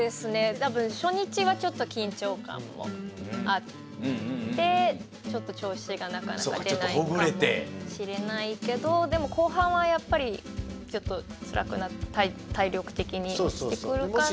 多分初日はちょっと緊張感もあってちょっと調子がなかなか出ないかもしれないけどでも後半はやっぱりちょっとつらくなって体力的に落ちてくるから。